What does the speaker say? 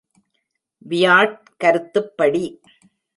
Wyatt கருத்துப்படி.